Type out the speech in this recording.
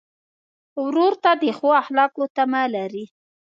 ورور ته د ښو اخلاقو تمه لرې.